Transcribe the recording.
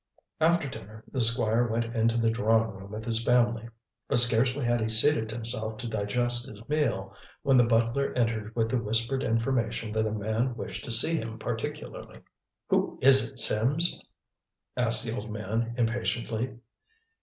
After dinner the Squire went into the drawing room with his family, but scarcely had he seated himself, to digest his meal, when the butler entered with the whispered information that a man wished to see him particularly. "Who is it, Sims?" asked the old man, impatiently.